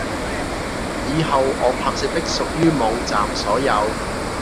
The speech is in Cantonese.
以後我拍攝的屬於網站所有